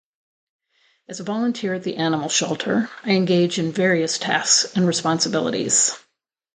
As a volunteer at the animal shelter, I engage in various tasks and responsibilities.